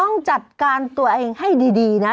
ต้องจัดการตัวเองให้ดีนะ